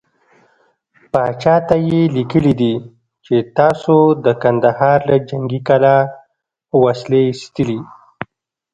پاچا ته يې ليکلي دي چې تاسو د کندهار له جنګې کلا وسلې ايستلې.